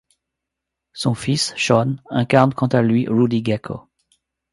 Son fils Sean incarne quant à lui Rudy Gekko.